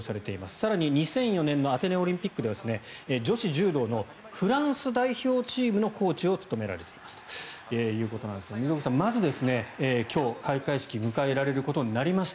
更に２００４年のアテネオリンピックでは女子柔道のフランス代表チームのコーチを務められていますが溝口さん、まず今日、開会式を迎えられることになりました。